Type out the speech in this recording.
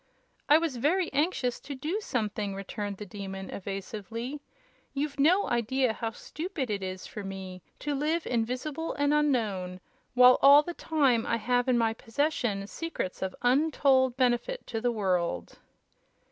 "I was very anxious to do something," returned the Demon, evasively. "You've no idea how stupid it is for me to live invisible and unknown, while all the time I have in my possession secrets of untold benefit to the world."